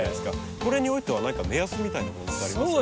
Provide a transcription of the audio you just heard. これにおいては何か目安みたいなものってありますか？